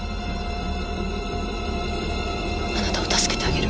あなたを助けてあげる。